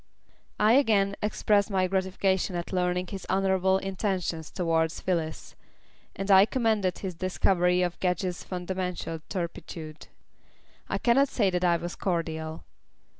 I again expressed my gratification at learning his honourable intentions towards Phyllis, and I commended his discovery of Gedge's fundamental turpitude. I cannot say that I was cordial.